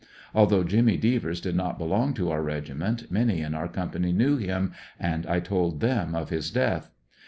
Although Jimmy Devers did not belong to our regiment, many in our company knew him, and I told them of his death.